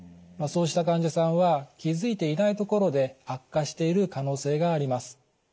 そうした患者さんは気付いていないところで悪化している可能性があります。